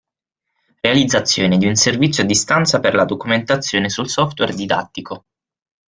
Realizzazione di un servizio a distanza per la documentazione sul software didattico.